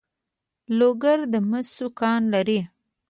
لوګر د مسو کان لري